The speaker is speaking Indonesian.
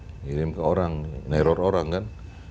mengirim ke orang neror orang kan